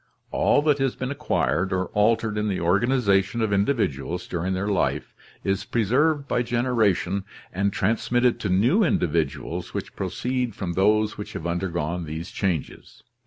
— All that has been acquired or altered in the organization of individuals during their life is preserved by generation, and trans mitted to new individuals which proceed from those which have under gone these changes."